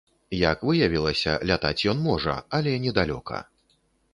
Як выявілася, лятаць ён можа, але недалёка.